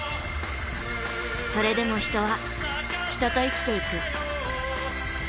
それでも人は人と生きていく。